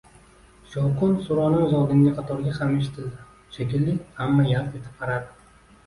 Shovqin-suronimiz oldingi qatorga ham eshitildi, shekilli – hamma yalt etib qaradi.